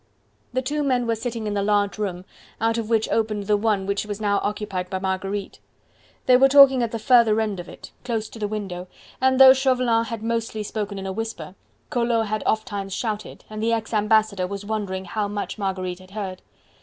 The two men were sitting in the large room, out of which opened the one which was now occupied by Marguerite. They were talking at the further end of it, close to the window, and though Chauvelin had mostly spoken in a whisper, Collot had ofttimes shouted, and the ex ambassador was wondering how much Marguerite had heard.